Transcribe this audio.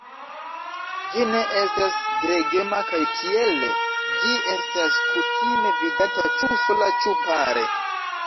Ĝi ne estas gregema kaj tiele ĝi estas kutime vidata ĉu sola ĉu pare.